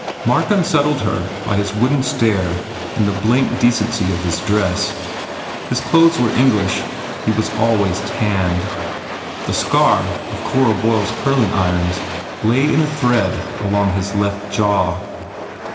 Mark unsettled her by his wooden stare and the black decency of his dress. His clothes were English. He was always tanned. The scar of Cora Boyle s curling irons lay in a thread along his left jaw.